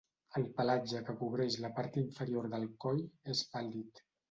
El pelatge que cobreix la part inferior del coll és pàl·lid.